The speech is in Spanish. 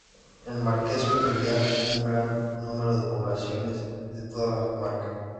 El marquesado incluía un gran número de poblaciones de toda la comarca.